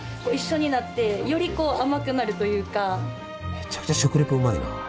めちゃくちゃ食レポうまいな。